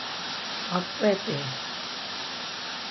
Aǩrep̌i!